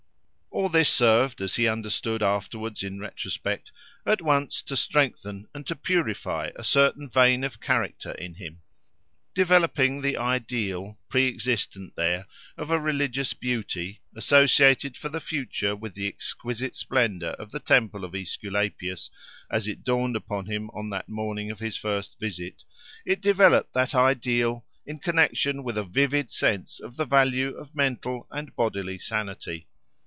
All this served, as he understood afterwards in retrospect, at once to strengthen and to purify a certain vein of character in him. Developing the ideal, pre existent there, of a religious beauty, associated for the future with the exquisite splendour of the temple of Aesculapius, as it dawned upon him on that morning of his first visit—it developed that ideal in connexion with a vivid sense of the value of mental and bodily sanity.